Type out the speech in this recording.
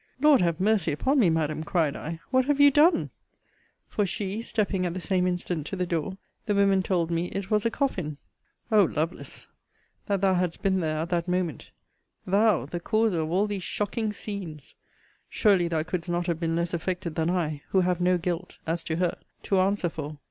Lord have mercy upon me, Madam! cried I, what have you done? For she, stepping at the same instant to the door, the women told me it was a coffin. O Lovelace! that thou hadst been there at that moment! Thou, the causer of all these shocking scenes! Surely thou couldst not have been less affected than I, who have no guilt, as to her, to answer for.